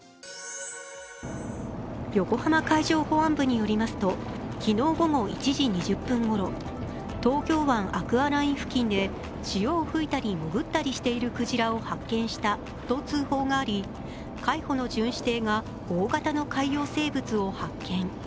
横浜海上保安部によりますと、昨日午後１時２０分ごろ、東京湾アクアライン付近で潮を吹いたり潜ったりしているクジラを発見したと通報があり、海保の巡視艇が大型の海洋生物を発見。